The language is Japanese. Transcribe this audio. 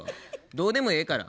どうでもええから。